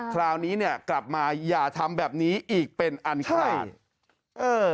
คราวนี้กลับมาอย่าทำแบบนี้อีกเป็นอันขาด